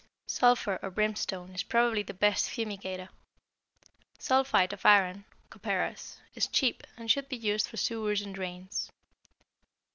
Sulphur or brimstone is probably the best fumigator. Sulphite of iron (copperas) is cheap and should be used for sewers and drains.